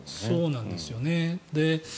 そうなんですよね。